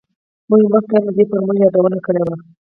موږ مخکې هم د دې فورمول یادونه کړې وه